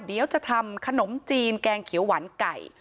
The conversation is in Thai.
เดี๋ยวจะทำขนมจีนแกงเขียวหวานไก่